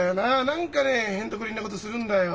何かねへんてこりんなことするんだよ。